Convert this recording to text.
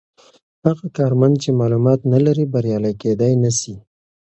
هغه کارمند چې معلومات نلري بریالی کیدای نسي.